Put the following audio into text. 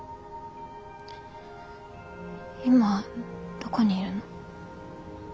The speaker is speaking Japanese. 今どこにいるの？